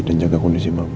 dan jaga kondisi mama